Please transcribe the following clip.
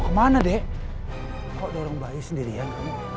kamu tolong bayi sendiri ya kamu